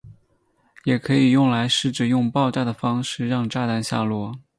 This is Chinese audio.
也可以用来试着用爆炸的方式让炸弹下落。